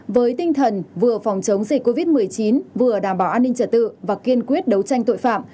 với tinh thần vừa phòng chống dịch covid một mươi chín vừa đảm bảo an ninh trật tự và kiên quyết đấu tranh tội phạm